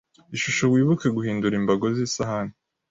Ishusho Wibuke guhindura imbago zisahani